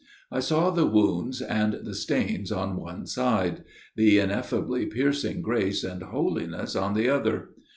I saw the wounds and the stains on one side ; the ineffably piercing grace and holiness on the other.